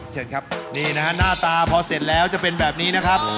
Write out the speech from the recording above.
เชิญครับนี่นะฮะหน้าตาพอเสร็จแล้วจะเป็นแบบนี้นะครับ